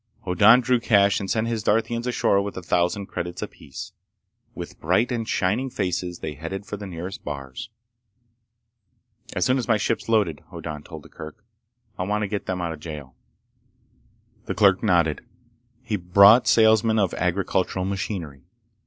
Hoddan drew cash and sent his Darthians ashore with a thousand credits apiece. With bright and shining faces, they headed for the nearest bars. "As soon as my ship's loaded," Hoddan told the clerk, "I'll want to get them out of jail." The clerk nodded. He brought salesmen of agricultural machinery.